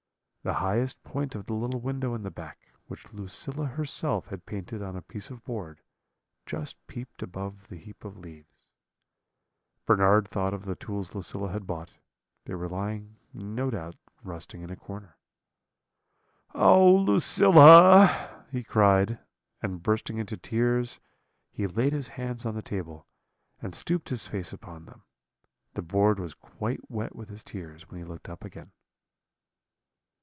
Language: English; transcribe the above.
The highest point of the little window in the back, which Lucilla herself had painted on a piece of board, just peeped above the heap of leaves. Bernard thought of the tools Lucilla had bought; they were lying, no doubt, rusting in a corner. "'Oh, Lucilla!' he cried; and bursting into tears, he laid his hands on the table, and stooped his face upon them: the board was quite wet with his tears when he looked up again.